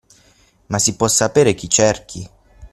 Ma si può sapere chi cerchi?